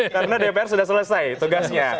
karena dpr sudah selesai tugasnya